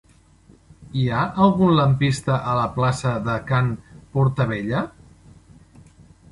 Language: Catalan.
Hi ha algun lampista a la plaça de Can Portabella?